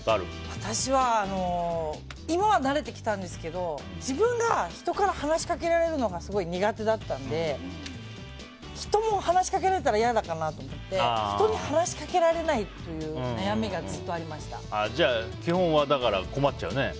私は今は慣れてきたんですけど自分が人から話しかけられるのがすごい苦手だったんで人も話しかけられたら嫌かなと思って人に話しかけられないというじゃあ基本は困っちゃうね。